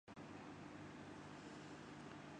تو جہان ہے۔